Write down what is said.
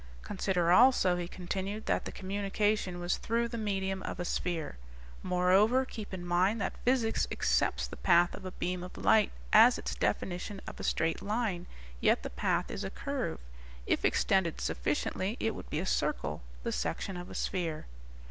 "Consider also," he continued, "that the communication was through the medium of a sphere. Moreover, keep in mind that physics accepts the path of a beam of light as its definition of a straight line. Yet, the path is a curve; if extended sufficiently it would be a circle, the section of a sphere."